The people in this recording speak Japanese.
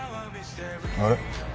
あれ？